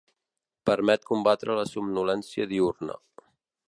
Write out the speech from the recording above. Permet combatre la somnolència diürna.